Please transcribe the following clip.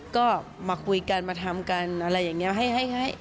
ก็มาคุยกันมาทำกันอะไรอย่างนี้ให้